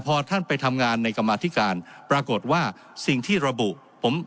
พอท่านไปทำงานในกรรมาธิการปรากฏว่าสิ่งที่ระบุผม